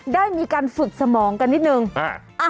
ได้มีการฝึกสมองกันนิดนึง